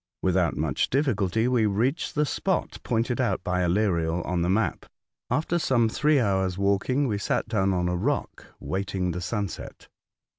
Without much diflBculty we reached the spot pointed out by Aleriel on the map. After some three hours* walking, we sat down on a rock waiting the sunset.